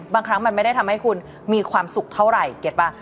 บางครั้งมันไม่ได้ทำให้คุณมีความสุขเท่าไหร่เก็ตป่ะ